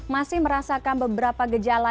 masih merasakan beberapa gejala